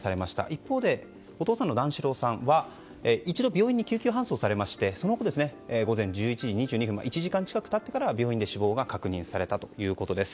一方でお父さんの段四郎さんは一度、病院に救急搬送されてその後、午前１１時２２分１時間近く経ってから病院で死亡が確認されたということです。